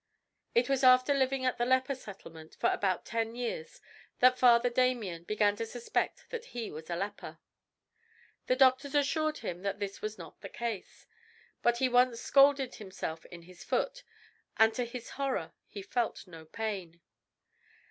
It was after living at the leper settlement for about ten years that Father Damien began to suspect that he was a leper. The doctors assured him that this was not the case. But he once scalded himself in his foot, and to his horror he felt no pain.